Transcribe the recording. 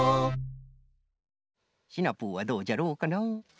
シナプーはどうじゃろうかな？